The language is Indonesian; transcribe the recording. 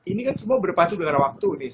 ini kan semua berpacu dengan waktu nih